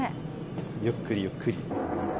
ゆっくりゆっくり。